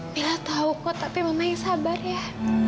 bila tahu kok tapi mama yang sabar ya